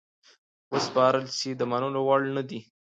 وسپارل سي د منلو وړ نه دي.